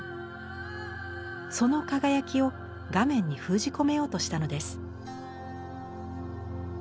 その輝きを画面に封じ込めようとしたのです。